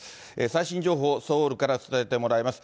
最新情報をソウルから伝えてもらいます。